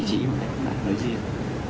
lý trí mà nói riêng